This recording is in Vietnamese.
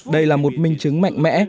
đây là một minh chứng mạnh mẽ